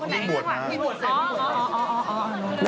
เขานี่หมวดเซ็บโอเค้า